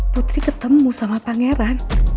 putri ketemu sama pangeran